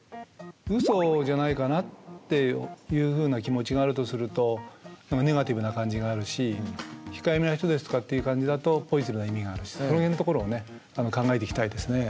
ウソじゃないかなっていうふうな気持ちがあるとするとネガティブな感じがあるし控えめな人ですとかっていう感じだとポジティブな意味があるしその辺のところをね考えていきたいですね。